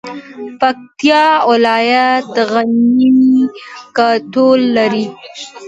پکتیا ولایت غني کلتور لري